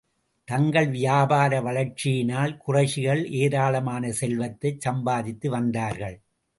தங்கள் வியாபார வளர்ச்சியினால் குறைஷிகள், ஏராளமான செல்வத்தைச் சம்பாதித்து வந்தார்கள்.